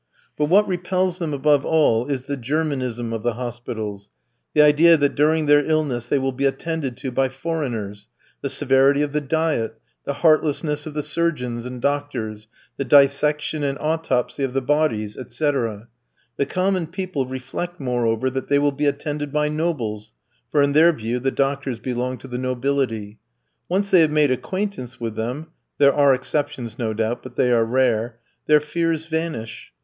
But what repels them above all, is the Germanism of the hospitals, the idea that during their illness they will be attended to by foreigners, the severity of the diet, the heartlessness of the surgeons and doctors, the dissection and autopsy of the bodies, etc. The common people reflect, moreover, that they will be attended by nobles for in their view the doctors belong to the nobility. Once they have made acquaintance with them (there are exceptions, no doubt, but they are rare), their fears vanish.